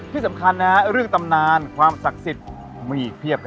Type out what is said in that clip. ที่สำคัญนะฮะเรื่องตำนานความศักดิ์สิทธิ์มีอีกเพียบครับ